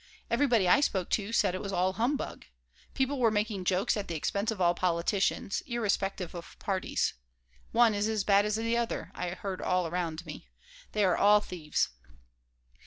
Everybody I spoke to said it was "all humbug." People were making jokes at the expense of all politicians, irrespective of parties. "One is as bad as the other," I heard all around me. "They are all thieves."